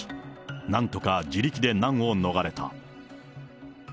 なんとか自力で難を逃れた。